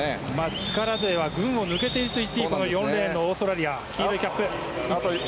力では群を抜いているといっていい４レーンオーストラリアの黄色いキャップ。